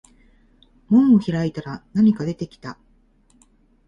門を開いたら何か出てきた